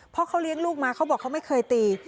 เพราะเขาเลี้ยงลูกมาเขาบอกเขาไม่เคยตี